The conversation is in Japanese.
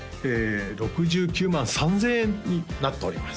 ６９万３０００円になっております